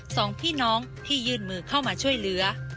สองพี่น้องที่ยื่นมือเข้ามาช่วยเหลือ